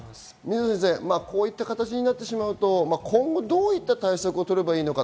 こういった形になってしまうと今後どういった対策を取ればいいのか。